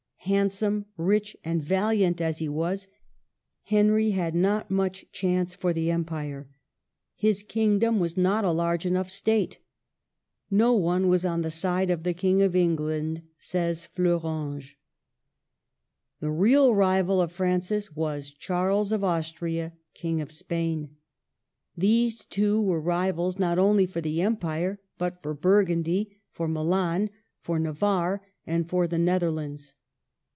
Handsome, rich, and valiant as he was, Henry had not much chance for the Empire. His kingdom was not a large enough state. " No one was on the side of the King of England," says Fleurange. THE YOUNG KING AND HIS RIVALS, 39 The real rival of Francis was Charles of Austria, King of Spain. These two were rivals, not only for the Empire, but for Burgundy, for Milan, for Navarre, and for the Netherlands.